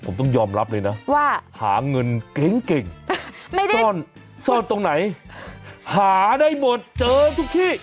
ผมต้องยอมรับเลยนะว่าหาเงินเก่งไม่ได้ซ่อนซ่อนตรงไหนหาได้หมดเจอทุกที่